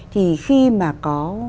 thì khi mà có